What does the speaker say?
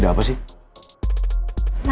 ada tempat ignya